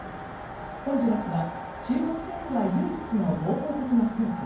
ホンジュラスは中国政府は唯一の合法的な政府。